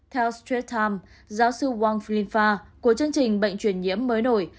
theo stratom giáo sư wang flinfa của chương trình bệnh truyền nhiễm mới nổi